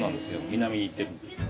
南に行ってるんです。